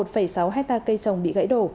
một mươi một sáu hecta cây trồng bị gãy đổ